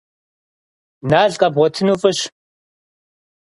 Нал къэбгъуэтыну фӏыщ.